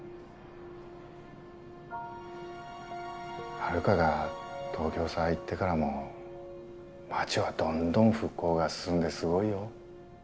ハルカが東京さ行ってからも街はどんどん復興が進んですごいよ。